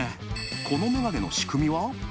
この眼鏡の仕組みは？